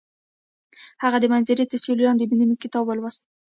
هغې د منظر تر سیوري لاندې د مینې کتاب ولوست.